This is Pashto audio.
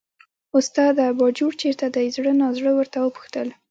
استاده! باجوړ چېرته دی، زړه نازړه ورته وپوښتل.